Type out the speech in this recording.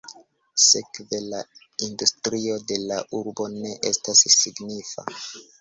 Sekve la industrio de la urbo ne estas signifa.